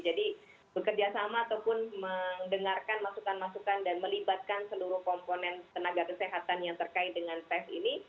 bekerja sama ataupun mendengarkan masukan masukan dan melibatkan seluruh komponen tenaga kesehatan yang terkait dengan tes ini